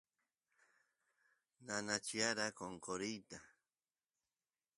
nanachiani qonqoriyta